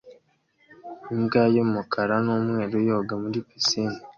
Imbwa y'umukara n'umweru yoga muri pisine